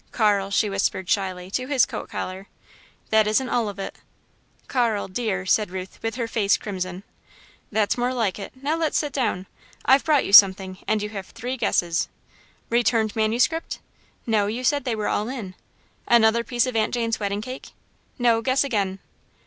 "Carl," she whispered shyly, to his coat collar. "That isn't all of it." "Carl dear " said Ruth, with her face crimson. "That's more like it. Now let's sit down I've brought you something and you have three guesses." "Returned manuscript?" "No, you said they were all in." "Another piece of Aunt Jane's wedding cake?" "No, guess again."